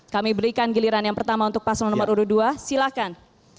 kami berikan giliran yang pertama untuk paslon nomor urut dua silahkan